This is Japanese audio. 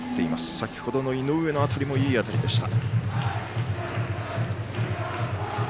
先ほどの井上の当たりもいい当たりでした。